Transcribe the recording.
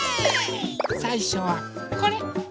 さいしょはこれ。